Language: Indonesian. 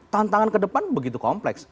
tantangan ke depan begitu kompleks